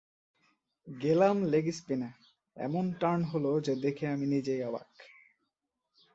গেলাম লেগ স্পিনে, এমন টার্ন হলো যে দেখে আমি নিজেই অবাক।